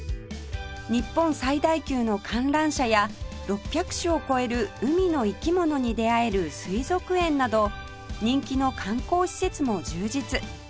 日本最大級の観覧車や６００種を超える海の生き物に出会える水族園など人気の観光施設も充実